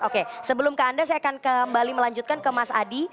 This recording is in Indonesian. oke sebelum ke anda saya akan kembali melanjutkan ke mas adi